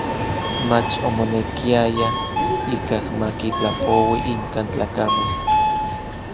Mach omonekiaya ikaj ma kitlapoui inkan tlakamej.